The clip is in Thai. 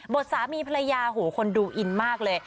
สามีภรรยาโหคนดูอินมากเลย